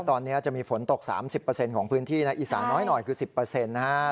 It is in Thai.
ตอนนี้จะมีฝนตก๓๐ของพื้นที่นะอีสาน้อยหน่อยคือ๑๐นะฮะ